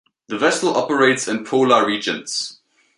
The vessel operates in polar regions.